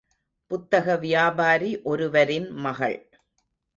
புத்தக வியாபாரி ஒருவரின் மகள்.